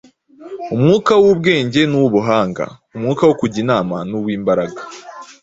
Umwuka w’ubwenge n’uw’ubuhanga, Umwuka wo kujya inama n’uw’imbaraga